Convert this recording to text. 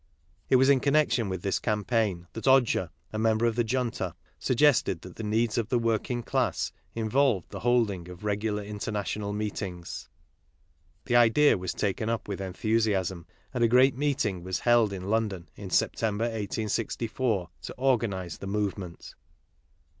It was in connection with this campaign that Odger, a member of the Junta, suggested that the needs of the working class involved the holding of regular international meetings. The idea was taken up with enthusiasm and a great meeting was held in London in September, 1864, to organize the movement.